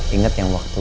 ingat yang waktu